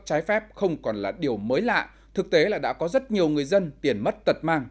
trái phép không còn là điều mới lạ thực tế là đã có rất nhiều người dân tiền mất tật mang